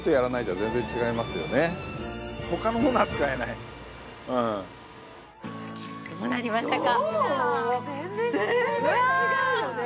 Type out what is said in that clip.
全然違うよね！